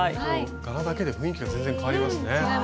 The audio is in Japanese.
柄だけで雰囲気が全然変わりますね。